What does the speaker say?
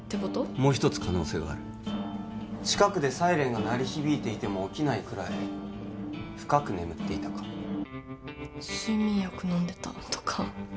もう一つ可能性はある近くでサイレンが鳴り響いていても起きないくらい深く眠っていたか睡眠薬飲んでたとか？